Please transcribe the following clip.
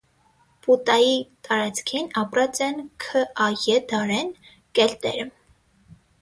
Պուտայի տարածքին ապրած են Ք.Ա. Ե. դարէն՝ կելտերը։